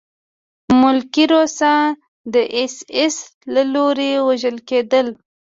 ملکي روسان د اېس ایس له لوري وژل کېدل